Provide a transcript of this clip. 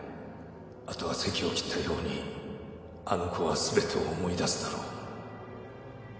後はせきを切ったようにあの子はすべてを思い出すだろう